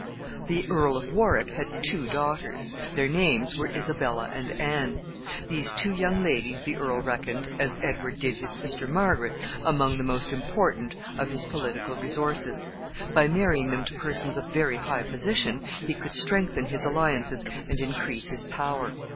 The Earl of Warwick had two daughters. Their names were Isabella and Anne. These two young ladies the earl reckoned, as Edward did his sister Margaret, among the most important of his political resources. By marrying them to persons of very high position, he could strengthen his alliances and increase his power.